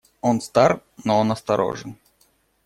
Он стар, но он осторожен.